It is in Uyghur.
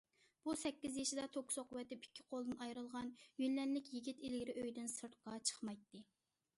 بۇ سەككىز يېشىدا توك سوقۇۋېتىپ، ئىككى قولىدىن ئايرىلغان يۈننەنلىك يىگىت ئىلگىرى ئۆيىدىن سىرتقا چىقمايتتى.